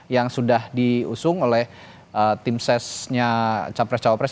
yang sudah diusung oleh tim sesnya capres capres